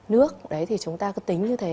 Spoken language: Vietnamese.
nước đấy thì chúng ta cứ tính như thế